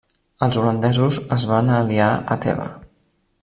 Els holandesos es van aliar a Teva.